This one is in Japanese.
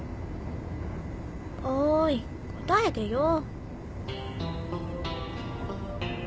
おい答えてよ。